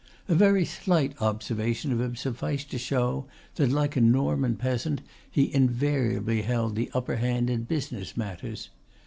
A very slight observation of him sufficed to show that, like a Norman peasant, he invariably held the upper hand in business matters.